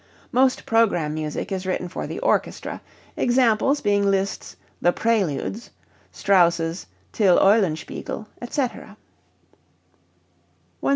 Most program music is written for the orchestra, examples being Liszt's "The Preludes," Strauss' "Till Eulenspiegel," etc. 160.